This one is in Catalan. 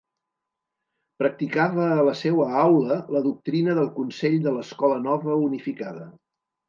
Practicava a la seua aula la doctrina del Consell de l'Escola Nova Unificada.